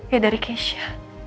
ya dari keisha